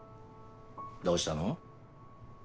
どうしたの？